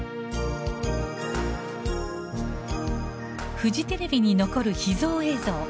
フジテレビに残る秘蔵映像。